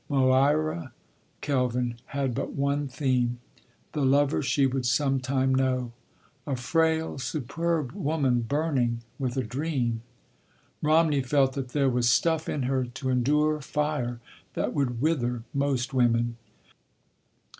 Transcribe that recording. Moira Kelvin had but one theme—the lover she would some time know. A frail superb woman burning with a dream. Romney felt that there was stuff in her to endure fire that would wither most women.